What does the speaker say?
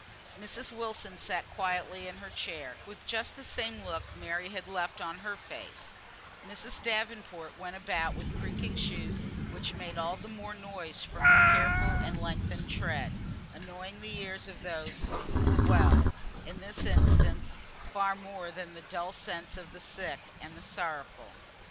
Mrs. Wilson sat quietly in her chair, with just the same look Mary had left on her face; Mrs. Davenport went about with creaking shoes, which made all the more noise from her careful and lengthened tread, annoying the ears of those who were well, in this instance, far more than the dulled senses of the sick and the sorrowful.